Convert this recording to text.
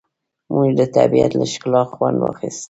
موږ د طبیعت له ښکلا خوند واخیست.